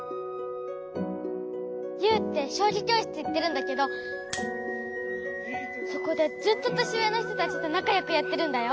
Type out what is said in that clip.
ユウってしょうぎきょうしついってるんだけどそこでずっととしうえのひとたちとなかよくやってるんだよ。